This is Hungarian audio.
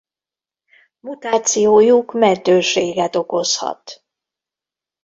Mutációjuk meddőséget okozhat.